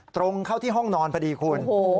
ตรงเข้าที่ห้องนอนพอดีคุณ